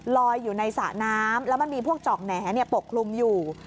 ลอยอยู่ในสระน้ำแล้วมันมีพวกจอกแหน่ปกคลุมอยู่